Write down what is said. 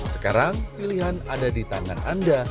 sekarang pilihan ada di tangan anda